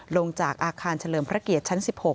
ลงจากอาคารเฉลิมพระเกียรติชั้น๑๖